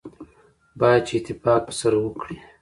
باید چې اتفاق سره وکړي.